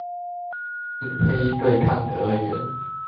並非對抗的二元